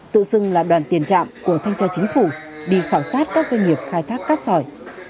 tự xưng là đoàn tiền trạm của thanh tra chính phủ đi khảo sát các doanh nghiệp khai thác cát sỏi